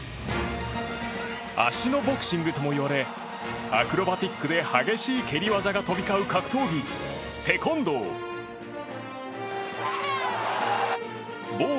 足のボクシングともいわれアクロバティックで激しい蹴り技が飛び交う格闘技テコンドー。